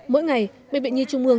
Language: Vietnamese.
mỗi ngày bệnh viện nhi trung ương